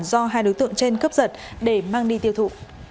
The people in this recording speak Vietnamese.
do hai đối tượng trên cướp giật để mang đi tiêu thụ